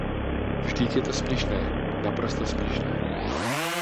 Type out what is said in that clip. Vždyť je to směšné, naprosto směšné.